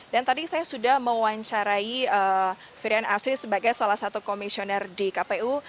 dan tadi saya sudah mewawancarai firian asis sebagai salah satu komisioner di kpu